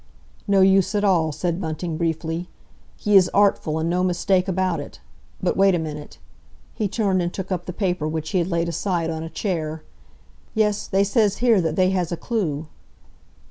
"No use at all," said Bunting briefly. "He is artful and no mistake about it. But wait a minute—" he turned and took up the paper which he had laid aside, on a chair. "Yes they says here that they has a clue."